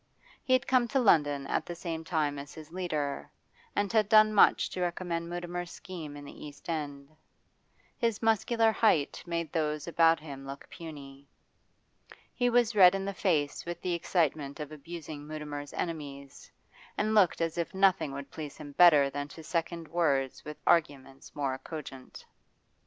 He had come to London at the same time as his leader, and had done much to recommend Mutimer's scheme in the East End. His muscular height made those about him look puny. He was red in the face with the excitement of abusing Mutimer's enemies, and looked as if nothing would please him better than to second words with arguments more cogent.